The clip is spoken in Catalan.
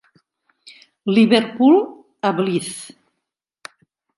Liverpool a Blyth.